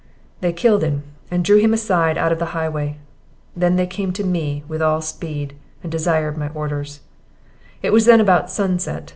They killed him, and drew him aside out of the highway. They then came to me with all speed, and desired my orders; it was then about sunset.